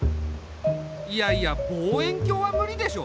いやいや望遠鏡は無理でしょ。